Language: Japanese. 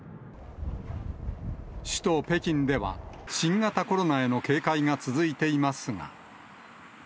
首都北京では、新型コロナへの警戒が続いていますが。